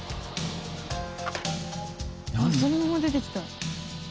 そのまま出てきた。